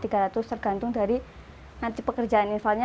tergantung dari nanti pekerjaan infalnya